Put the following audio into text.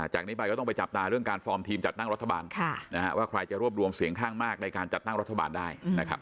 จากนี้ไปก็ต้องไปจับตาเรื่องการฟอร์มทีมจัดตั้งรัฐบาลว่าใครจะรวบรวมเสียงข้างมากในการจัดตั้งรัฐบาลได้นะครับ